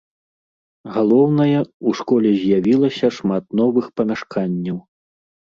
Галоўнае, у школе з'явілася шмат новых памяшканняў.